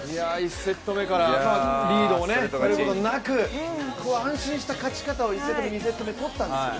１セット目からリードされることなく安心した勝ち方を１セット目、２セット目とったんですよ。